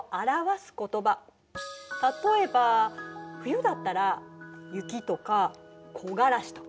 例えば冬だったら「雪」とか「木枯らし」とか。